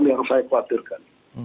yang harus saya khawatirkan